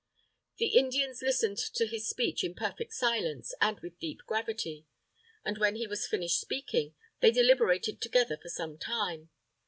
The Indians listened to his speech in perfect silence, and with deep gravity. And when he was finished speaking, they deliberated together, for some time.